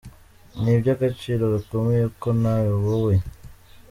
Ni iby’agaciro gakomeye ko nawe wowe.